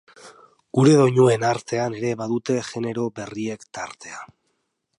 Gure doinuen artean ere badute genero berriek tartea.